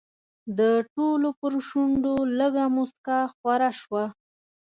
د ټولو پر شونډو لږه موسکا خوره شوه.